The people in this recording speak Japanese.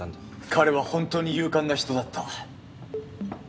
彼は本当に勇敢な人だった。